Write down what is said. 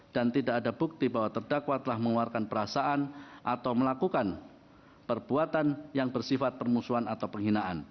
dan tidak ada bukti bahwa terdakwa telah mengeluarkan perasaan atau melakukan perbuatan yang bersifat permusuhan atau penghinaan